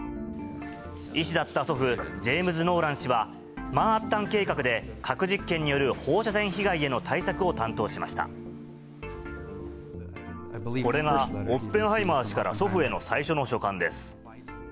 医師だった祖父、ジェームズ・ノーラン氏は、マンハッタン計画で、核実験による放射線被害への対策を担当しまこれが、オッペンハイマー氏から祖父への最初の書簡です。